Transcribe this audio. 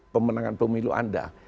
pemenangan pemilu anda